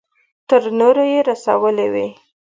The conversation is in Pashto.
تر نورو يې رسولې وي.